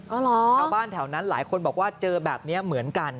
อ๋อเหรอเข้าบ้านแถวนั้นหลายคนบอกว่าเจอแบบนี้เหมือนกัน